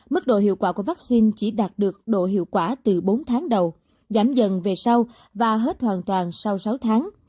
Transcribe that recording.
mức độ hiệu quả của vaccine chỉ đạt được độ hiệu quả từ bốn tháng đầu giảm dần về sau và hết hoàn toàn sau sáu tháng